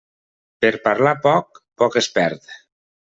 Per parlar poc, poc es perd.